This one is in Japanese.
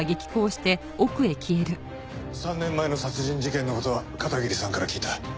３年前の殺人事件の事は片桐さんから聞いた。